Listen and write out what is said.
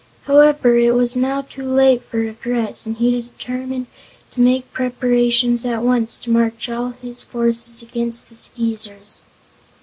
However, it was now too late for regrets and he determined to make preparations at once to march all his forces against the Skeezers.